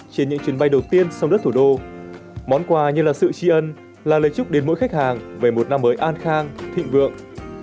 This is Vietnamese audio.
trên những chuyến bay đầu tiên sông đất thủ đô món quà như là sự tri ân là lời chúc đến mỗi khách hàng về một năm mới an khang thịnh vượng